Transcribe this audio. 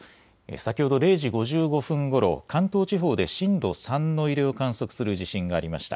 先ほど０時５５分ごろ関東地方で震度３の揺れを観測する地震がありました。